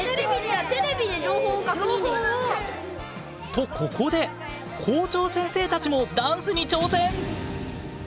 とここで校長先生たちもダンスに挑戦！